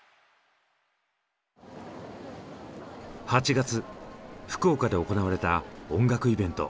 ８月福岡で行われた音楽イベント。